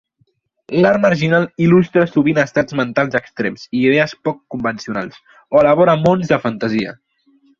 L'art marginal il·lustra sovint estats mentals extrems i idees poc convencionals, o elabora mons de fantasia.